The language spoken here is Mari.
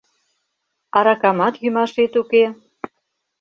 Аракамат йӱмашет уке.